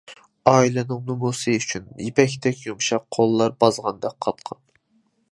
ئائىلىنىڭ نومۇسى ئۈچۈن يىپەكتەك يۇمشاق قوللار بازغاندەك قاتقان.